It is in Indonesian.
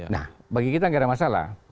nah bagi kita nggak ada masalah